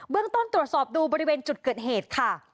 ต้นตรวจสอบดูบริเวณจุดเกิดเหตุค่ะ